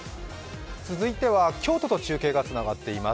続いては京都と中継がつながっています